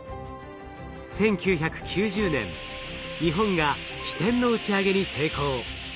１９９０年日本が「ひてん」の打ち上げに成功。